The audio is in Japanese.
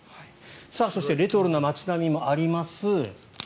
そしてレトロな街並みもあります。